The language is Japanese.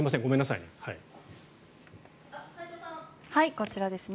こちらですね。